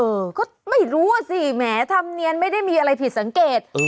เออก็ไม่รู้อ่ะสิแหมธรรมเนียนไม่ได้มีอะไรผิดสังเกต